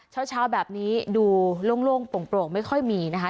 เช้าเช้าแบบนี้ดูโล่งโล่งโปร่งโปร่งไม่ค่อยมีนะคะ